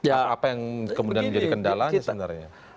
apa yang kemudian menjadi kendalanya sebenarnya